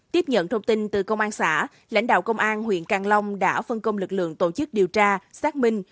tiếp nhận thông tin từ công an xã lãnh đạo công an huyện càng long đã phân công lực lượng tổ chức điều tra xác minh